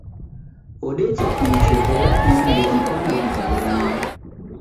Odecha icho, ela ini ndedikwane dikadedanya